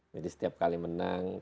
jadi setiap kali menang